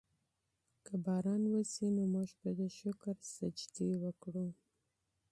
که باران وشي نو موږ به د شکر سجدې وکړو.